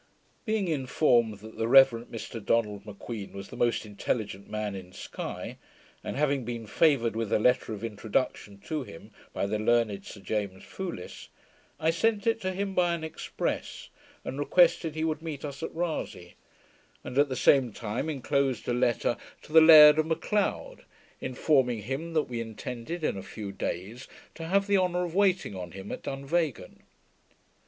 Being informed that the Rev. Mr Donald M'Queen was the most intelligent man in Sky, and having been favoured with a letter of introduction to him, by the learned Sir James Foulis, I sent it to him by an express, and requested he would meet us at Rasay; and at the same time enclosed a letter to the Laird of Macleod, informing him that we intended in a few days to have the honour of waiting on him at Dunvegan.